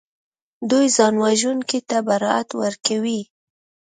دوی ځانوژونکي ته برائت ورکوي